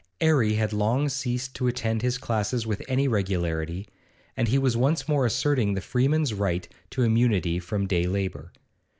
'Arry had long ceased to attend his classes with any regularity, and he was once more asserting the freeman's right to immunity from day labour.